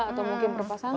atau mungkin perpasangan